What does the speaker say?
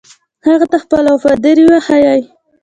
هغه ته خپله وفاداري وښيي.